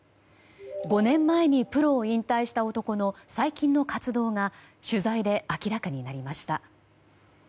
５年前にプロを引退した男の最近の活動が取材で明らかになりました。